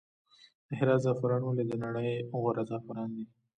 د هرات زعفران ولې د نړۍ غوره زعفران دي؟